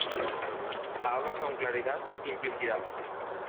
Habla con claridad y simplicidad.